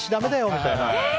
みたいな。